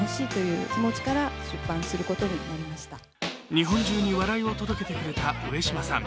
日本中に笑いを届けてくれた上島さん。